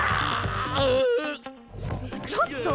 ちょっと！